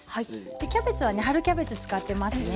キャベツはね春キャベツ使ってますね。